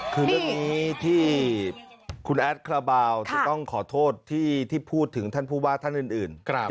คือเรื่องนี้ที่คุณแอดคาราบาลจะต้องขอโทษที่พูดถึงท่านผู้ว่าท่านอื่น